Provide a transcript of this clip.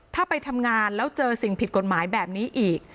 ถ้าไปทำงานแล้วเจอสิ่งผิดกฎหมายแบบนี้อีก